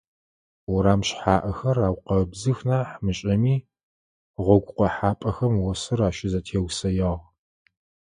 Урам шъхьаӀэхэр аукъэбзых нахь мышӀэми, гъогу къохьапӀэхэм осыр ащызэтеусэягъ.